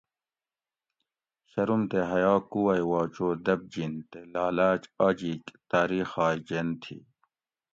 شروم تے حیا کُووئ وا چو دبجِن تے لالاۤچ آجیک تاۤریخائ جین تھی